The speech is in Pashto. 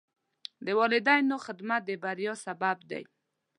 د والدینو خدمت د بریا سبب دی.